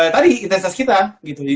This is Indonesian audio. tadi intensitas kita gitu